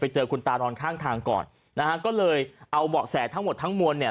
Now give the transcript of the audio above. เจอคุณตานอนข้างทางก่อนนะฮะก็เลยเอาเบาะแสทั้งหมดทั้งมวลเนี่ย